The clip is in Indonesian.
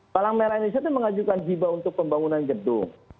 palang merah indonesia itu mengajukan jiba untuk pembangunan gedung